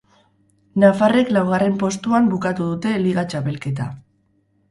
Nafarrek laugarren postuan bukatu dute liga txapelketa.